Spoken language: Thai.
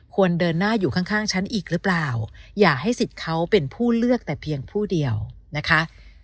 ควรเดินหน้าอยู่ข้างฉันอีกหรือเปล่าอย่าให้สิทธิ์เขาเป็นผู้เลือกแต่เพียงผู้เดียวนะคะ